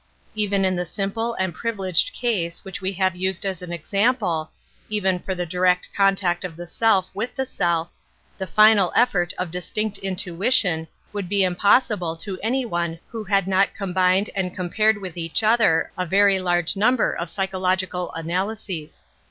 Even in the simple and privileged case which we have used as an example, even for the direct contact of the self with the self, the final effort of distinct intu ition would be impossible to any one who had not combined and compared with each ^3 An Introduction to Metaphysics other a very large number of psychological analyses.